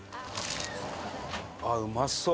あっうまそう！